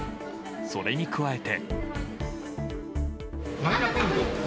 それに加えて。